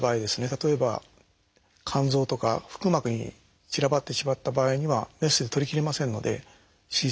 例えば肝臓とか腹膜に散らばってしまった場合にはメスで取りきれませんので手術はできません。